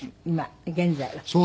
今現在は。